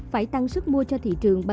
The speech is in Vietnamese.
phải tăng sức mua cho thị trường